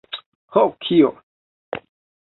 Ho kio?